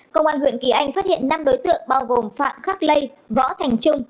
công an huyện kỳ anh phát hiện năm đối tượng bao gồm phạm khắc lê võ thành trung